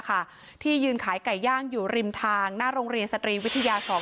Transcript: ที่ยืนขายไก่ย่างอยู่ริมทางหน้าโรงเรียนสตรีวิทยา๒